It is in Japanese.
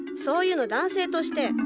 そういうの男性として。